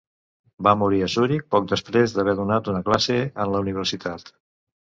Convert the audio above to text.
Va morir a Zuric, poc després d'haver donat una classe en la Universitat.